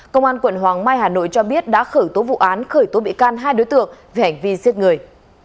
công an quận hoàng mai hà nội cho biết đã khởi tố vụ án khởi tố bị can hai đối tượng về hành vi giết người